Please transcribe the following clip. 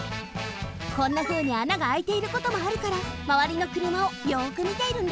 こんなふうにあながあいていることもあるからまわりのくるまをよくみているんだって。